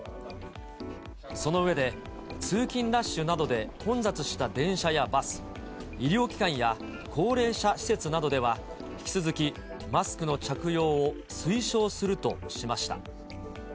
その上で、通勤ラッシュなどで混雑した電車やバス、医療機関や高齢者施設などでは、引き続き、マスクの着用を推奨するとしました。